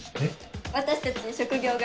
私たち職業柄